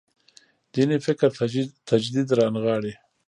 دیني فکر تجدید رانغاړي.